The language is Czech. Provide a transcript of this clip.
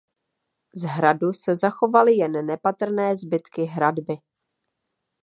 Z hradu se zachovaly jen nepatrné zbytky hradby.